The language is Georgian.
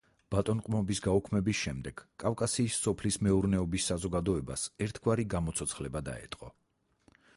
ბატონყმობის გაუქმების შემდეგ კავკასიის სოფლის მეურნეობის საზოგადოებას ერთგვარი გამოცოცხლება დაეტყო.